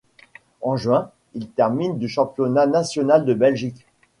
En juin, il termine du championnat national de Belgique.